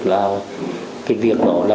cái việc đó